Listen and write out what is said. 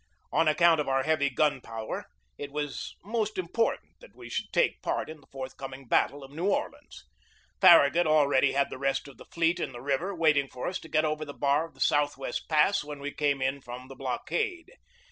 On account of our heavy gun power it was most important that we should take part in the forthcoming battle of New Orleans. Far ragut already had the rest of the fleet in the river waiting for us to get over the bar of the Southwest Pass when we came in from the blockade.